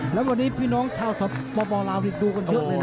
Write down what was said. แล้ววันนี้พี่น้องชาวสปลาวดูกันเยอะเลยนะ